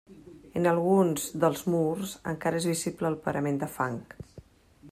En alguns dels murs encara és visible el parament de fang.